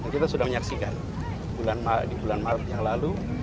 kita sudah menyaksikan di bulan maret yang lalu